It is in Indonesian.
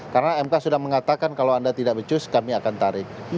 karena mk sudah mengatakan kalau anda tidak becus kami akan tarik